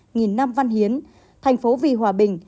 nghìn năm văn hiến thành phố vì hòa bình